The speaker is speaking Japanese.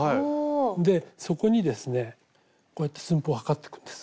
でそこにですねこうやって寸法測ってくんです。